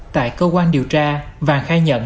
tại cơ quan điều tra vàng khai nhận